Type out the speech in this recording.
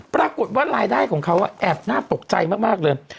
ปรากฏว่ารายได้ของเขาแอบน่าตกใจมากเลย